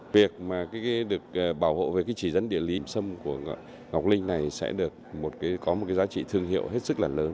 việc được bảo hộ về chỉ dẫn địa lý sâm của ngọc linh này sẽ có một giá trị thương hiệu rất lớn